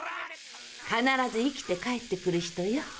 必ず生きて帰ってくる人よ。